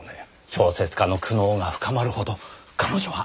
小説家の苦悩が深まるほど“彼女”は愛に狂った。